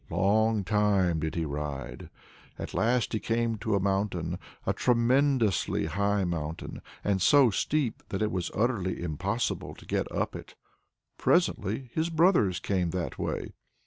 Long time did he ride; at last he came to a mountain a tremendously high mountain, and so steep that it was utterly impossible to get up it. Presently his brothers came that way.